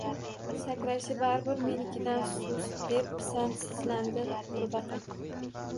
– Sakrashi baribir menikidan sust, – deb pisandsizlandi qurbaqa